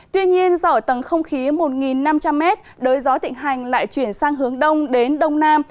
tuy nhiên dỏ tầng không khí một năm trăm linh m đới gió tịnh hành lại chuyển sang hướng đông đến đông nam